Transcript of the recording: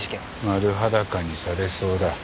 丸裸にされそうだ。